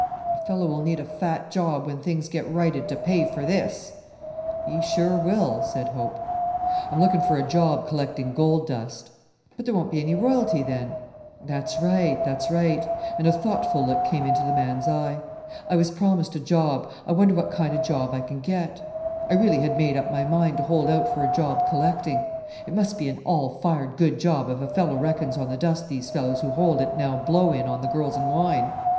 "A fellow will need a fat job when things get righted to pay for this!" "He sure will," said Hope. "I'm looking for a job collecting gold dust." "But there won't be any royalty then." "That's right; that's right," and a thoughtful look came into the man's eye. "I was promised a job I wonder what kind of a job I can get? I really had made up my mind to hold out for a job collecting. It must be an all fired good job if a fellow reckons on the dust these fellows who hold it now blow in on the girls and wine.